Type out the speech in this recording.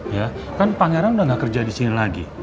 ya kan pangeran udah gak kerja disini lagi